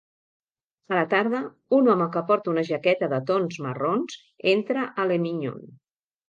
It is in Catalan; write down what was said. A la tarda, un home que porta una jaqueta de tons marrons entra a Le Mignon.